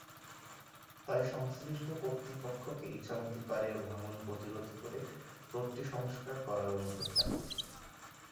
তাই সংশ্লিষ্ট কর্তৃপক্ষকে ইছামতীপাড়ের ভাঙন প্রতিরোধ করে রোডটি সংস্কার করার অনুরোধ জানাচ্ছি।